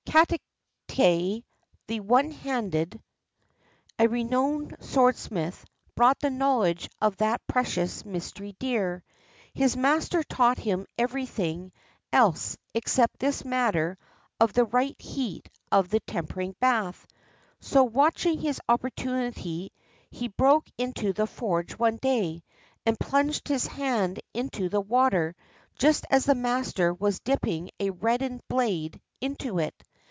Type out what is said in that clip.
Katate, the " One handed," a renowned swordsmith, bought the knowledge of that precious mystery dear. His master taught him every thing else except this matter of the right heat of the tempering bath, so, watching his opportunity, he broke into the forge one day, and plunged his hand into the water just as the master was dipping a reddened blade into it.